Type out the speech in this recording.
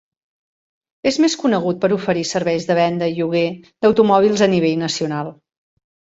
És més conegut per oferir serveis de venda i lloguer d'automòbils a nivell nacional.